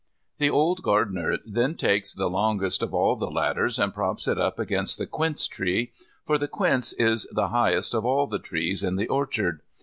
The old gardener then takes the longest of all the ladders and props it up against the quince tree, for the quince is the highest of all the trees in the orchard.